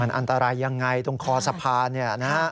อันตรายยังไงตรงคอสะพานเนี่ยนะฮะ